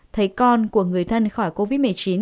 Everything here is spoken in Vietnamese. thấy con của người thân khỏi covid một mươi chín